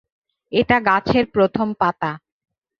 এটা গাছের প্রথম পাতা।